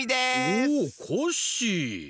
おっコッシー。